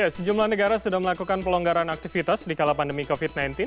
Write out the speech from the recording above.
sejumlah negara sudah melakukan pelonggaran aktivitas di kala pandemi covid sembilan belas